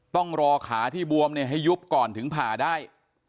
ต้องรอขาที่บวมให้ยุบก่อนถึงผ่าได้